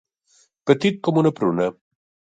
Petit com una pruna.